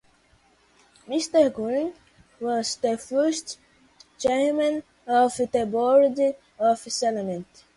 Mr. Green was the first chairman of the board of selectmen.